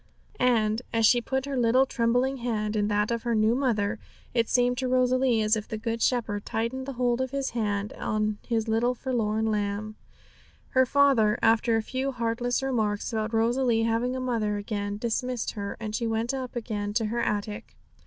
And, as she put her little trembling hand in that of her new mother, it seemed to Rosalie as if the Good Shepherd tightened the hold of His hand on His little forlorn lamb. Her father, after a few heartless remarks about Rosalie having a mother again, dismissed her, and she went up again to her attic.